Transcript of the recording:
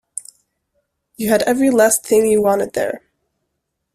You had every last thing you wanted there.